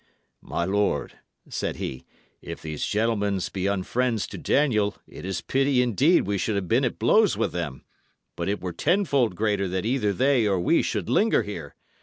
"My lord," said he, "if these gentlemen be unfriends to Sir Daniel, it is pity, indeed, we should have been at blows with them; but it were tenfold greater that either they or we should linger here.